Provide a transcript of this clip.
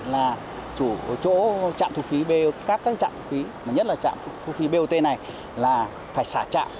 vậy là chỗ các trạm thu phí nhất là trạm thu phí bot này là phải xả trạm